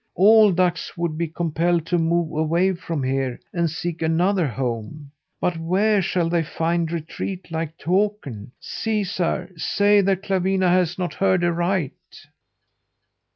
All ducks would be compelled to move away from here and seek another home. But where shall they find a retreat like Takern? Caesar, say that Clawina has not heard aright!"